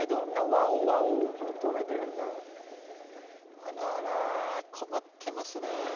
あらら困ってますね。